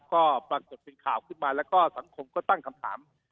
ก็ปรากฏเป็นข่าวขึ้นมาแล้วก็สังคมก็ตั้งคำถาม